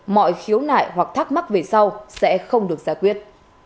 mọi khiếu nại hoặc thắc mắc về sau sẽ không được giải quyết